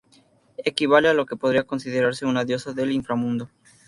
Equivale a lo que podría considerarse una diosa del inframundo.